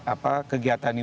apa kegiatan ini